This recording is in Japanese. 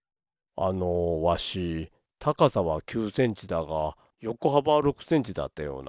あのわしたかさは９センチだがよこはばは６センチだったような。